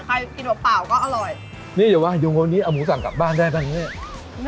ใครกินแบบเปล่าก็อร่อยนี่เดี๋ยวหันยุงเวอร์นี้เอามูสั่งกลับบ้านได้ปะนะเนี้ย